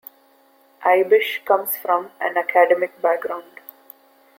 Ibish comes from an academic background.